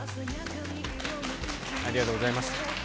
ありがとうございます。